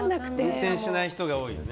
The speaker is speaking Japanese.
運転しない人が多いよね。